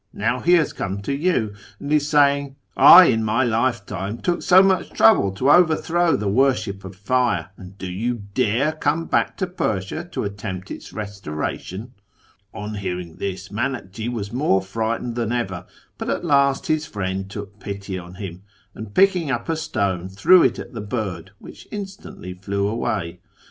Now he has come to you, and is saying, " I, in my lifetime, took so much trouble to overthrow the worship of Fire, and do you dare come back to Persia to attempt its restoration ?"'" On hearing this Miinakji was more frightened than ever ; but at last his friend took pity on him, and picking up a stone threw it at the bird, which instantly flew away.